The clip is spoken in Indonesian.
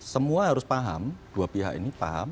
semua harus paham dua pihak ini paham